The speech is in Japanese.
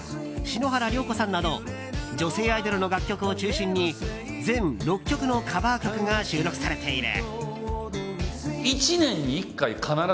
篠原涼子さんなど女性アイドルの楽曲を中心に全６曲のカバー曲が収録されている。